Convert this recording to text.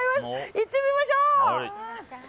行ってみましょう！